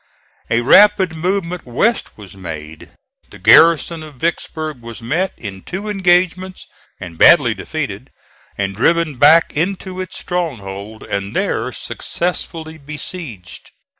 A rapid movement west was made; the garrison of Vicksburg was met in two engagements and badly defeated, and driven back into its stronghold and there successfully besieged.